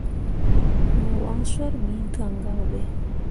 Me wancor ɓi gangan ɓe.